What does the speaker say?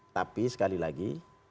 tapi sekali lagi